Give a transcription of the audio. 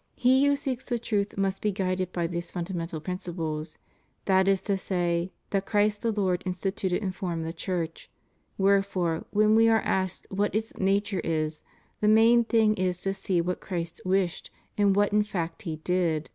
"' He who seeks the truth must be guided by these funda mental principles. That is to say, that Christ the Lord instituted and formed the Church : wherefore when we are asked what its nature is, the main thing is to see what Christ wished, and what in fact He did.